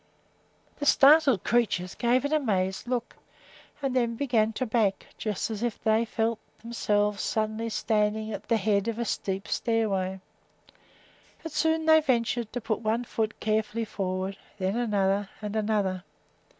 The startled creatures gave an amazed look and then began to back, just as if they felt themselves suddenly standing at the head of a steep stairway; but soon they ventured to put one foot carefully forward, then another, and another.